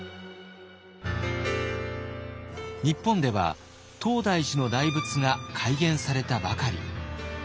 日本では東大寺の大仏が開眼されたばかり。